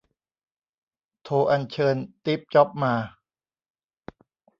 โทรอัญเชิญตีฟจ็อบมา